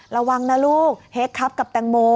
ระวังนะลูกเฮ็กครับกับแตงโม